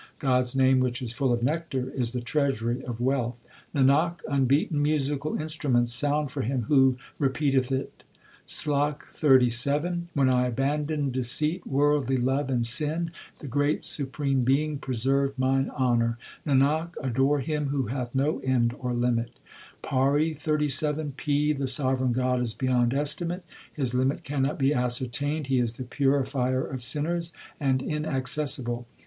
God s name which is full of nectar is the treasury of wealth : Nanak, unbeaten musical instruments sound for him who repeateth it. SLOK XXXVII When I abandoned deceit, worldly love, and sin, the great Supreme Being preserved mine honour : Nanak, adore Him who hath no end or limit. 1 PAURI XXXVII P. The sovereign God is beyond estimate ; His limit cannot be ascertained ; He is the purifier of sinners, and inaccessible.